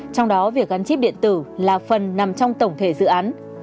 trong đó việc gắn chip điện tử là phần nằm trong tổng thể dự án